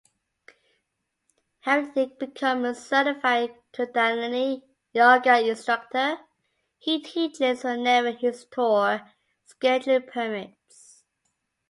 Having become a certified Kundalini Yoga instructor, he teaches whenever his tour schedule permits.